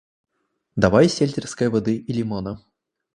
Давай сельтерской воды и лимона.